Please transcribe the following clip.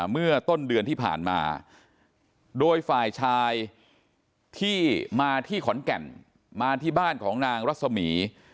เมื่อต้นเดือนที่ผ่านมาโดยฝ่ายชายที่มาที่ขอนแก่นมาที่บ้านของนางรัศมี